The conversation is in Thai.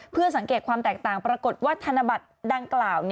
เพื่อสังเกตความแตกต่างปรากฏว่าธนบัตรดังกล่าว